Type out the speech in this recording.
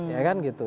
iya kan gitu